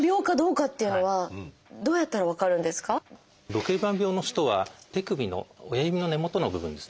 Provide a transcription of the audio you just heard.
ドケルバン病の人は手首の親指の根元の部分ですね